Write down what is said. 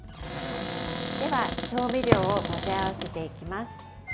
では、調味料を混ぜ合わせていきます。